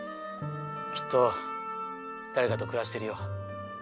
きっと誰かと暮らしてるよ。